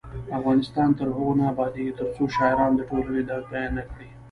افغانستان تر هغو نه ابادیږي، ترڅو شاعران د ټولنې درد بیان نکړي.